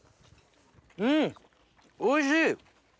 うんおいしい！